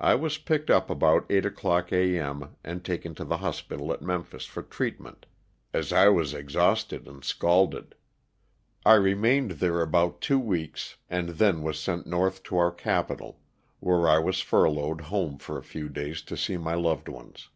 I was picked up about eight o'clock a. m. and taken to the hospital at Memphis for treatment, as I was ex hausted and scalded. I remained there about two weeks and then was sent north to our capital, where I was furloughed home for a few days to see my loved ones.